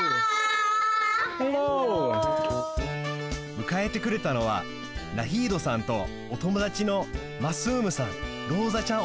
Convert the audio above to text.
むかえてくれたのはナヒードさんとおともだちのマスームさんローザちゃん